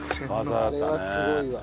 あれはすごいわ。